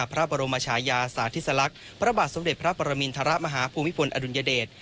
พระบรมชายาสาธิสลักษณ์พระบาทสมเด็จพระปรมินทรมาฮภูมิพลอดุลยเดช